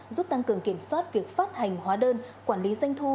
giúp tăng cường kiểm soát việc phát hành hóa đơn quản lý doanh thu